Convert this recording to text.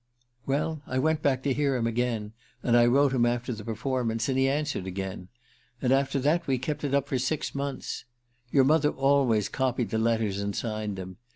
Well, I went back to hear him again, and I wrote him after the performance, and he answered again. And after that we kept it up for six months. Your mother always copied the letters and signed them.